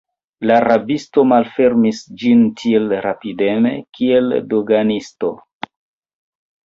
La rabisto malfermis ĝin tiel rapideme, kiel doganisto.